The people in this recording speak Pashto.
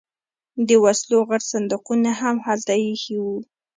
د وسلو غټ صندوقونه هم هلته ایښي وو